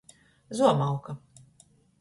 Zuomauka.